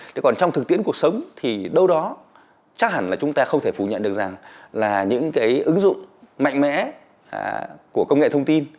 thế còn trong thực tiễn cuộc sống thì đâu đó chắc hẳn là chúng ta không thể phủ nhận được rằng là những cái ứng dụng mạnh mẽ của công nghệ thông tin